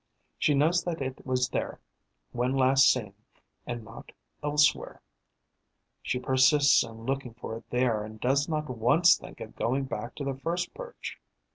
She knows that it was there, when last seen, and not elsewhere; she persists in looking for it there and does not once think of going back to the first perch.